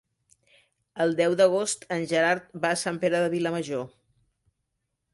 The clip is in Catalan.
El deu d'agost en Gerard va a Sant Pere de Vilamajor.